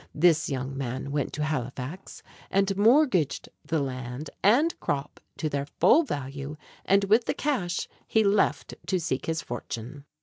This young man went to Halifax and mortgaged the land and crop to their full value; and with the cash he left to seek his fortune.